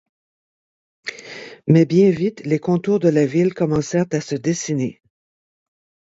Mais bien vite les contours de la ville commencèrent à se dessiner.